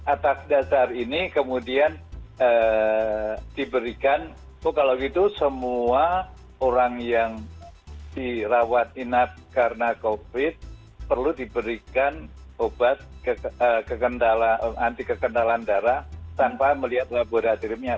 atas dasar ini kemudian diberikan oh kalau gitu semua orang yang dirawat inap karena covid perlu diberikan obat anti kekendalan darah tanpa melihat laboratoriumnya